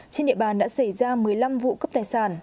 trên địa bàn đã xảy ra một mươi năm vụ cướp tài sản